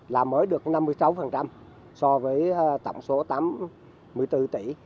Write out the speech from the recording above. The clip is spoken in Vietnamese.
là mới được năm mươi sáu so với tổng số tám mươi bốn tỷ